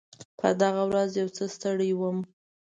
په دغه ورځ یو څه ستړی وم.